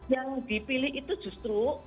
yang dipilih itu justru